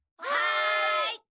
はい。